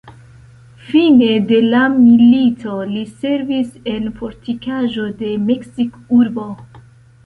Fine de la milito, li servis en fortikaĵo de Meksikurbo.